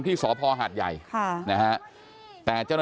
เดี๋ยวให้กลางกินขนม